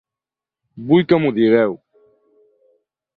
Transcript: Vull que m'ho digueu.